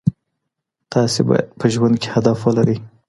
تاسي باید په ژوند کي هدف ولرئ.